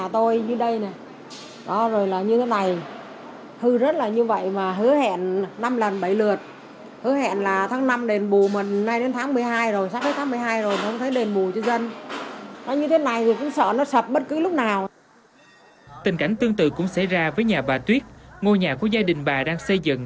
tình cảnh tương tự cũng xảy ra với nhà bà tuyết ngôi nhà của gia đình bà đang xây dựng